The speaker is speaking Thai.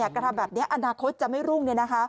กระทำแบบนี้อนาคตจะไม่รุ่ง